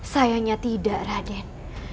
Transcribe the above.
sayangnya tidak raden